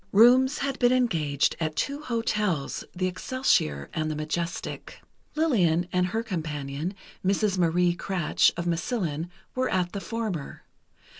Rooms had been engaged at two hotels, the Excelsior and the Majestic. Lillian and her companion, Mrs. Marie Kratsch, of Massillon, were at the former.